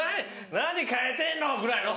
「何替えてんの」ぐらいの。